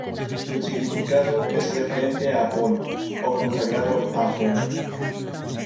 Su significado es "referente a Apolo" o "consagrado a Apolo".